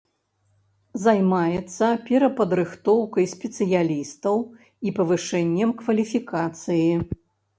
Займаецца перападрыхтоўкай спецыялістаў і павышэннем кваліфікацыі.